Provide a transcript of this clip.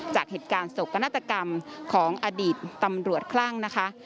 จากเหตุการณ์สกนาฏกรรมของอดีตตำรวจคลั่งนะคะ